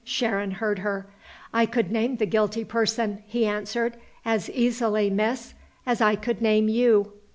Sharon heard her. "I could name the guilty person," he answered, "as easily, miss, as I could name you."